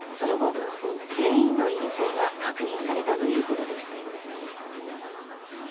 その後、全員の陰性が確認されたということです。